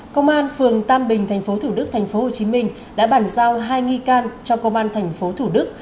công an phường tam bình tp thủ đức tp hcm đã bàn giao hai nghi can cho công an tp thủ đức